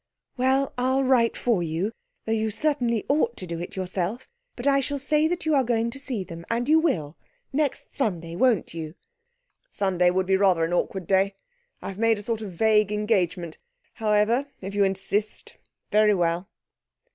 'Well, I'll write for you, though you certainly ought to do it yourself, but I shall say you are going to see them, and you will next Sunday, won't you?' 'Sunday would be rather an awkward day. I've made a sort of vague engagement. However, if you insist, very well.'